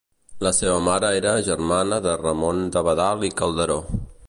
La seva mare era germana de Ramon d'Abadal i Calderó.